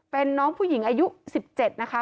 เป็นน้องผู้หญิงอายุ๑๗นะคะ